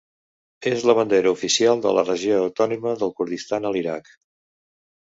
És la bandera oficial de la Regió autònoma del Kurdistan a l'Iraq.